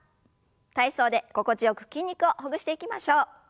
体操で心地よく筋肉をほぐしていきましょう。